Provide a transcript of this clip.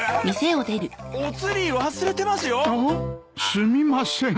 すみません。